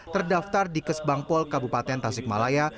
terdaftar di kesbangpol kabupaten tasik malaya